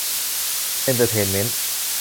เอนเตอร์เทนเมนต์